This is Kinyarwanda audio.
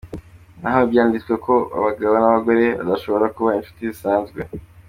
Ntaho byanditswe ko abagabo n’abagore badashobora kuba inshuti zisanzwe.